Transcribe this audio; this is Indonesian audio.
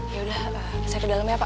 yaudah saya ke dalam ya pak